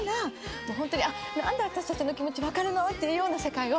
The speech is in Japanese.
もうホントになんで私たちの気持ちわかるの？っていうような世界を。